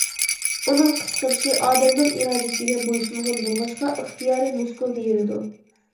ئۇنىڭ قىسقىرىشى ئادەمنىڭ ئىرادىسىگە بويسۇنغان بولغاچقا ئىختىيارىي مۇسكۇل دېيىلىدۇ.